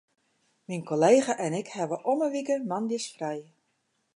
Myn kollega en ik hawwe om 'e wike moandeis frij.